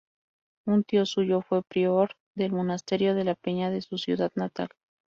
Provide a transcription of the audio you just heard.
Un tío suyo fue prior del monasterio de la Peña de su ciudad natal.